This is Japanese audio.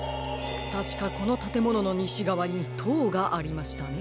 たしかこのたてもののにしがわにとうがありましたね。